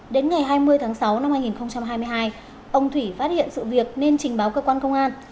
đến ngày hai mươi tháng sáu năm hai nghìn hai mươi hai ông thủy phát hiện sự việc nên trình báo cơ quan công an